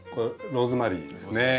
ローズマリーですね。